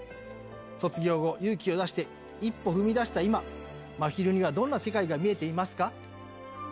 卒業後、勇気を出して一歩踏み出した今、まひるにはどんな世界が見えていますか？